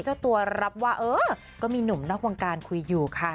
เจ้าตัวรับว่าเออก็มีหนุ่มนอกวงการคุยอยู่ค่ะ